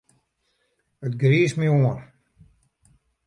It griist my oan.